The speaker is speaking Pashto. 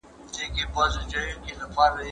څوک یې تولیدوي او څنګه یې تولیدوي.